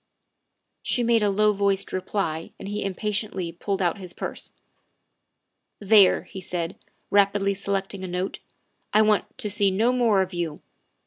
She made a low voiced reply and he impatiently pulled out his purse. " There," he said, rapidly selecting a note, " I want to see no more of you.